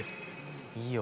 「いいよ」